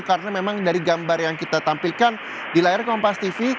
karena memang dari gambar yang kita tampilkan di layar kompas tv